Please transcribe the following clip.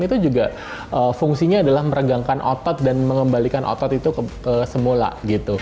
itu juga fungsinya adalah meregangkan otot dan mengembalikan otot itu ke semula gitu